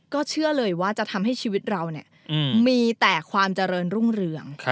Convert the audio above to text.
ก็เชื่อเลยว่าจะทำให้ชีวิตเรามีแต่ความเจริญรุ่งเรือง